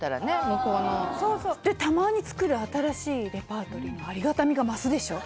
向こうのそうそうでたまに作る新しいレパートリーのありがたみが増すでしょ？